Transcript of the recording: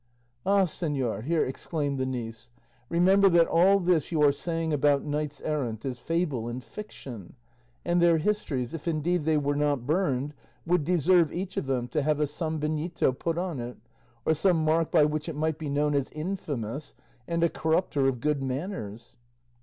"Ah, señor," here exclaimed the niece, "remember that all this you are saying about knights errant is fable and fiction; and their histories, if indeed they were not burned, would deserve, each of them, to have a sambenito put on it, or some mark by which it might be known as infamous and a corrupter of good manners."